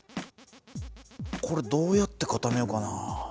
これどうやって固めようかな？